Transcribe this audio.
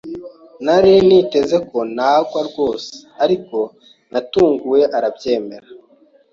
Nari niteze ko nangwa rwose, ariko natunguwe arabyemera.